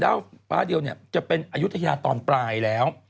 แล้วฟ้าเดียวเนี่ยจะเป็นอายุทยาตอนปลายแล้ว